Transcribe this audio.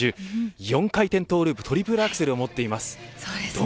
４回転トゥループトリプルアクセルを持っています。